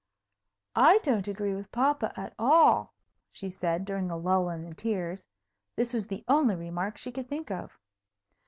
"I don't agree with papa, at all," she said, during a lull in the tears. This was the only remark she could think of.